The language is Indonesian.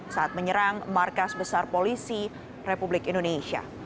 saat menyerang markas besar polisi republik indonesia